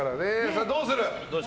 さあ、どうする？